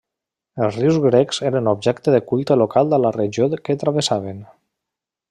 Els rius grecs eren objecte de culte local a la regió que travessaven.